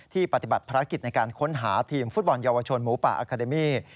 ปฏิบัติภารกิจในการค้นหาทีมฟุตบอลเยาวชนหมูป่าอาคาเดมี่